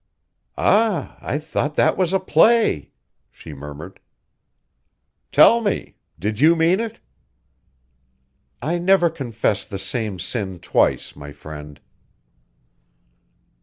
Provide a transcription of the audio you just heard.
"Ah, I thought that was a play!" she murmured. "Tell me! Did you mean it?" "I never confess the same sin twice, my friend."